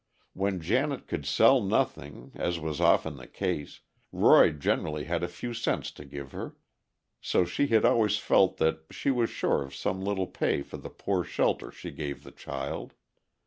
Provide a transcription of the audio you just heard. When Janet could sell nothing, as was often the case, Roy generally had a few cents to give her, so she had always felt that she was sure of some little pay for the poor shelter she gave the child.